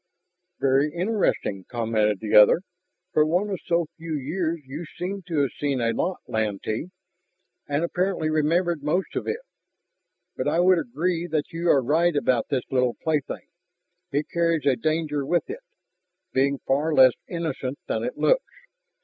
"Very interesting," commented the other. "For one of so few years you seem to have seen a lot, Lantee and apparently remembered most of it. But I would agree that you are right about this little plaything; it carries a danger with it, being far less innocent than it looks."